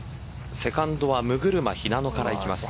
セカンドは六車日那乃からいきます。